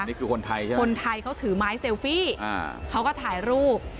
นี่คือคนไทยใช่ไหมคนไทยเขาถือไม้เซลฟี่เขาก็ถ่ายรูป